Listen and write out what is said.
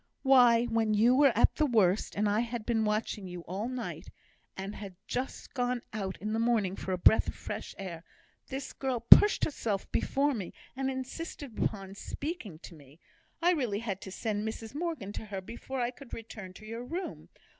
"Why, when you were at the worst, and I had been watching you all night, and had just gone out in the morning for a breath of fresh air, this girl pushed herself before me, and insisted upon speaking to me. I really had to send Mrs Morgan to her before I could return to your room.